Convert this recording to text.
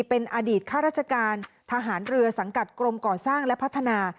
เป็นอดีตข้าราชการทหารเรือสังกัดกรมก่อสร้างและพัฒนา